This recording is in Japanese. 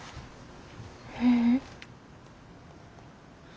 ううん。